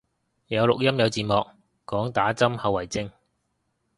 有錄音有字幕，講打針後遺症